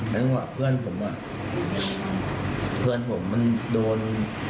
จังหวะเพื่อนผมอ่ะเพื่อนผมมันโดน